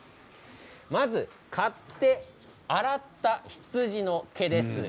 まず、刈って洗った羊の毛です。